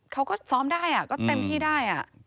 เขาก็ซ้อมได้ก็เต็มที่ได้